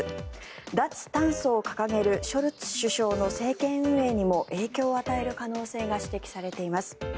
脱炭素を掲げるショルツ首相の政権運営にも影響を与える可能性が指摘されています。